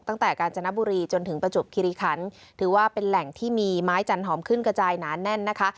กาญจนบุรีจนถึงประจบคิริคันถือว่าเป็นแหล่งที่มีไม้จันหอมขึ้นกระจายหนาแน่นนะคะ